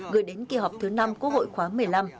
gửi đến kỳ họp thứ năm quốc hội khóa một mươi năm